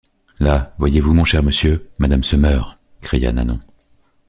Là, voyez-vous, mon cher monsieur? madame se meurt, cria Nanon.